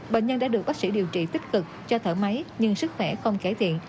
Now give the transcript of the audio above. bệnh nhân đã được bác sĩ điều trị tích cực cho thở máy nhưng sức khỏe không cải thiện